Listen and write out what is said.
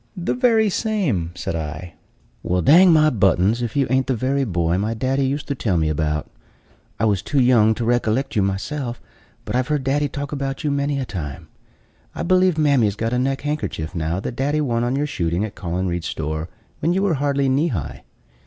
"The very same," said I. "Well, dang my buttons, if you ain't the very boy my daddy used to tell me about. I was too young to recollect you myself; but I've heard daddy talk about you many a time. I believe mammy's got a neck handkerchief now that daddy won on your shooting at Collen Reid's store, when you were hardly knee high.